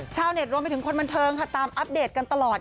ชาวเน็ตรวมไปถึงคนบันเทิงค่ะตามอัปเดตกันตลอด